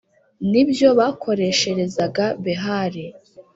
nibyo bakoresherezaga Behali.